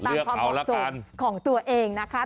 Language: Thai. เลือกเอาละกันตามความสุขของตัวเองนะคะ